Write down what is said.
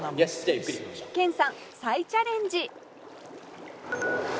「研さん再チャレンジ」